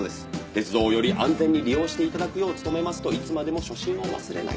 「“鉄道をより安全に利用して頂くよう努めます”といつまでも初心を忘れない」